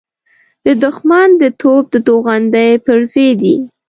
د دښمن د توپ د توغندۍ پرزې دي.